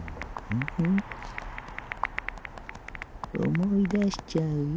思い出しちゃうよ。